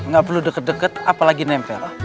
gak perlu deket deket apalagi nempel